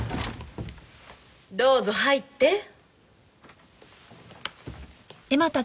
どうぞ入って。